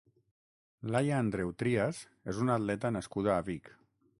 Laia Andreu Trias és una atleta nascuda a Vic.